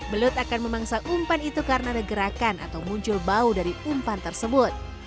belut akan memangsa umpan itu karena ada gerakan atau muncul bau dari umpan tersebut